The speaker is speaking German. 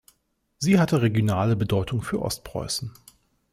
Sie hatte regionale Bedeutung für Ostpreußen.